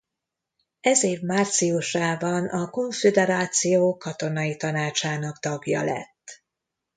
Ez év márciusában a konföderáció katonai tanácsának tagja lett.